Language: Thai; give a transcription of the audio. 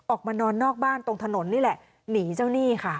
ออกมานอนนอกบ้านตรงถนนนี่แหละหนีเจ้าหนี้ค่ะ